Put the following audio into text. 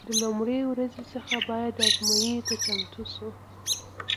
د لومړۍ ورځې څخه باید ازموینې ته چمتو شو.